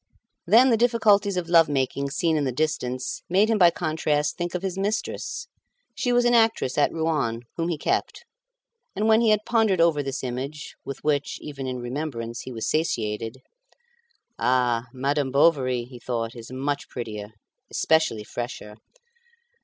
Then the difficulties of love making seen in the distance made him by contrast think of his mistress. She was an actress at Rouen, whom he kept; and when he had pondered over this image, with which, even in remembrance, he was satiated "Ah! Madame Bovary," he thought, "is much prettier, especially fresher.